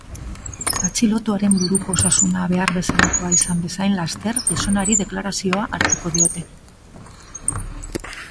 Atxilotuaren buruko osasuna behar bezalakoa izan bezain laster, gizonari deklarazioa hartuko diote.